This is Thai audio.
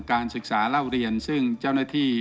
การศึกษาเล่าเรียนซึ่งเจ้าหน้าที่